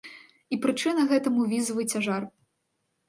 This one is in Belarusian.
І прычына гэтаму візавы цяжар.